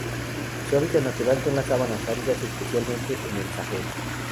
Su hábitat natural son las sabanas áridas, especialmente en el Sahel.